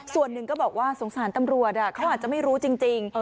ส่วนหนึ่งก็บอกว่าสงสารตำรวจเขาอาจจะไม่รู้จริง